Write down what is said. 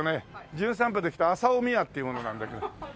『じゅん散歩』で来た浅尾美和っていう者なんだけど。